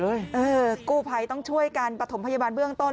เออกู้ภัยต้องช่วยกันประถมพยาบาลเบื้องต้น